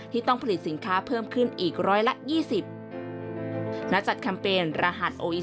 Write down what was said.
ที่ต้องผลิตสินค้าเพิ่มขึ้นอีก๑๒๐บาท